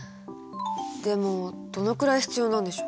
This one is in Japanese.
でもどのくらい必要なんでしょう？